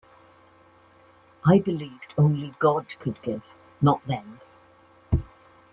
I believed only God could give, not them.